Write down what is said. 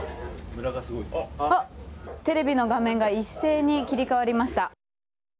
テレビの画面が一斉に切り替わりました。